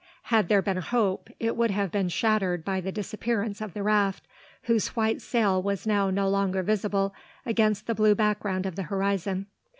Had there been a hope, it would have been shattered by the disappearance of the raft, whose white sail was now no longer visible against the blue background of the horizon.